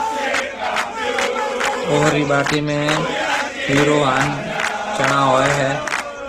اوھر رِي ٻاٽِي ۾ ھيَََِرو ھان چڻاھوئي ھيََََ